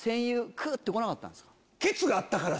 く！って来なかったんですか？